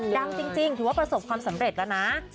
ดังจริงถือว่าประสบความสำเร็จแล้วนะ